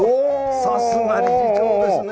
さすが理事長ですね。